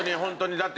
だって。